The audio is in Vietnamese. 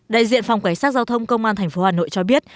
đại diện phòng cảnh sát giao thông công an tp hà nội cho biết